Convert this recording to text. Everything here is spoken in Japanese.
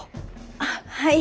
あっはい。